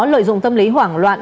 lợi dụng tâm lý hoảng loạn